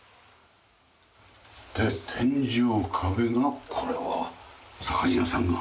で天井壁がこれは左官屋さんが。